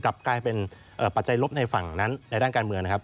กลับกลายเป็นปัจจัยลบในฝั่งนั้นในด้านการเมืองนะครับ